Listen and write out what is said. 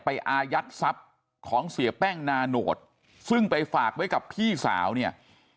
อายัดทรัพย์ของเสียแป้งนาโนตซึ่งไปฝากไว้กับพี่สาวเนี่ย